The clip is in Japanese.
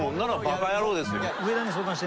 バカ野郎ですよ。